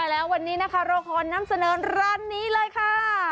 แล้ววันนี้นะคะเราขอนำเสนอร้านนี้เลยค่ะ